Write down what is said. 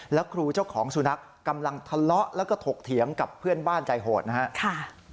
แล้วครูเจ้าของสุนัขกำลังทะเลาะแล้วก็ถกเถียงกับเพื่อนบ้านใจโหดนะครับ